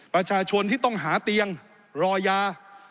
ประชาชนที่ต้องหาเตียงรอยา